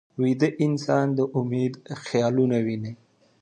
ویده انسان د امید خیالونه ویني